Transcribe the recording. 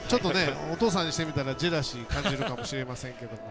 お父さんからしてみたらジェラシー感じるかもしれませんけども。